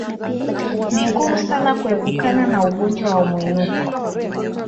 Ni ngumu sana kuepukana na ugonjwa wa mwinuko